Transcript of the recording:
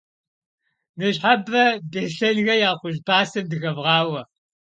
Ныщхьэбэ Беслъэнхэ я кхъужь пасэм дыхэвгъауэ.